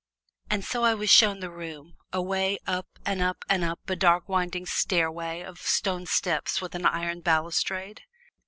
And so I was shown the room away up and up and up a dark winding stairway of stone steps with an iron balustrade.